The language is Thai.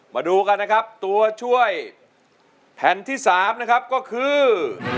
มาดูกันครับทั่วช่วยแบบนี้แห่งที่สามก็คือ